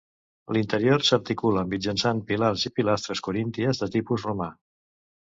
L'interior s'articula mitjançant pilars i pilastres corínties de tipus romà.